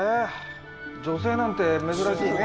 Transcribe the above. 女性なんて珍しいね・